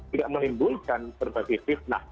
tidak menimbulkan berbagai fitnah